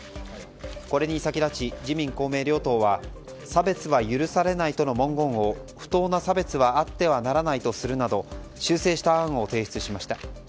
これに先立ち、自民・公明両党は差別は許されないとの文言を不当な差別はあってはならないとするなど修正した案を提出しました。